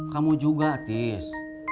kamu juga atis